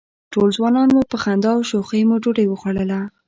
ټول ځوانان وو، په خندا او شوخۍ مو ډوډۍ وخوړله.